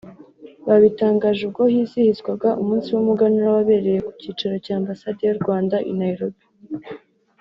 Babitangaje ubwo hizihizwaga umunsi w’Umuganura wabereye ku cyicaro cya Ambasade y’u Rwanda i Nairobi